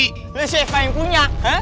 ini siapa yang punya